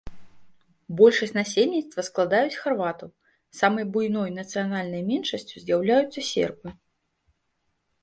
Большасць насельніцтва складаюць харватаў, самай буйной нацыянальнай меншасцю з'яўляюцца сербы.